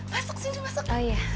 masuk sini masuk